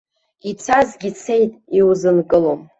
Ицазгьы цеит, иузынклыом.